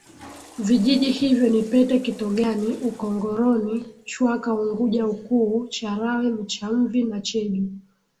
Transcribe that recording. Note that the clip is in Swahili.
Vijiji hivyo ni Pete kitogani Ukongoroni Chwaka Unguja Ukuu Charawe Michamvi na cheju